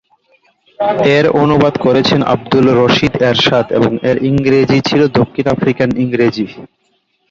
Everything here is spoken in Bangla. এর অনুবাদ করেছেন আবদুল রশিদ এরশাদ এবং এর ইংরেজি ছিল দক্ষিণ আফ্রিকান ইংরেজি।